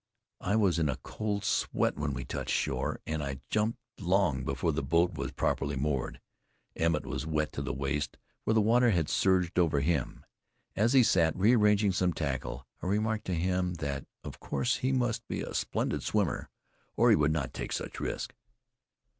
I was in a cold sweat when we touched shore, and I jumped long before the boat was properly moored. Emmett was wet to the waist where the water had surged over him. As he sat rearranging some tackle I remarked to him that of course he must be a splendid swimmer, or he would not take such risks.